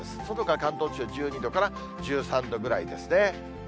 そのほか関東地方、１２度から１３度ぐらいですね。